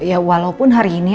ya walaupun hari ini